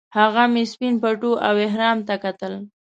هغه مې سپین پټو او احرام ته کتل.